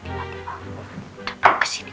pasangan dua duanya heran